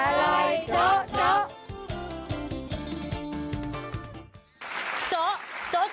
อร่อยโจ๊ะ